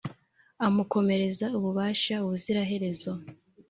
amukomereza ububasha ubuziraherezo,